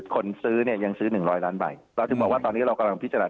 คนซื้อเนี่ยยังซื้อหนึ่งร้อยล้านใบเราถึงบอกว่าตอนนี้เรากำลังพิจารณา